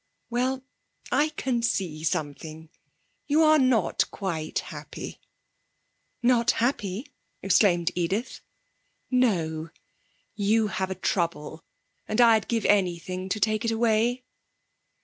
'Well, I can see something. You are not quite happy.' 'Not happy!' exclaimed Edith. 'No. You have a trouble, and I'd give anything to take it away.'